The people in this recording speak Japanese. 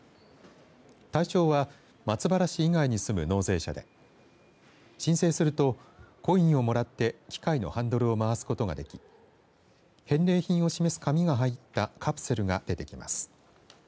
対象は松原市以外に住む納税者で申請するとコインをもらって機械のハンドルを回すことができ返礼品を示す紙が入ったカプセルが出てきます。